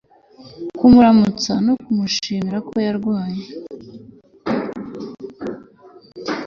kumuramutsa no kumushimira ko yarwanye